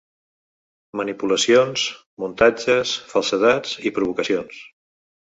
Manipulacions, muntatges, falsedats i provocacions.